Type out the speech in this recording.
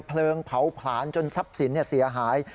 เพลิงเผาผลาญจนทรัพย์สินเสียหาย